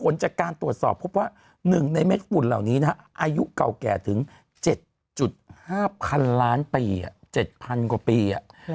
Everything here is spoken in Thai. มี๓๕๐๐ล้านปี๗๐๐๐กว่าปี